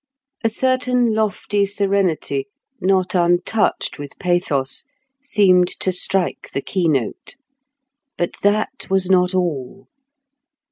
A certain lofty serenity, not untouched with pathos, seemed to strike the keynote. But that was not all.